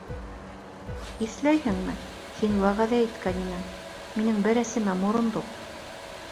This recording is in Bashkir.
Иҫләйһеңме, һин вәғәҙә иткән инең... минең бәрәсемә морондоҡ...